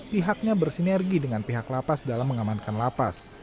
pihaknya bersinergi dengan pihak lapas dalam mengamankan lapas